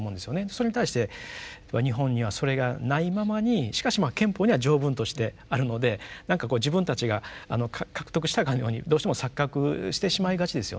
それに対して日本にはそれがないままにしかしまあ憲法には条文としてあるので何かこう自分たちが獲得したかのようにどうしても錯覚してしまいがちですよね。